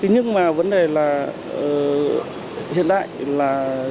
nhưng mà vấn đề là hiện đại là